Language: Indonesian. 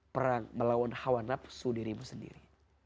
perang melawan hawa nafsu dirimu sendiri